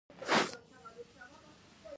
یو سل او پنځه شپیتمه پوښتنه کاري پلان دی.